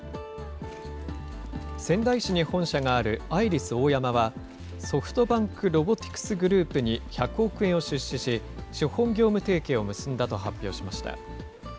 仙台市に本社があるアイリスオーヤマは、ソフトバンクロボティクスグループに１００億円を出資し、資本業務提携を結んだと発表しました。